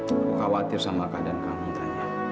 aku khawatir sama keadaan kamu tanya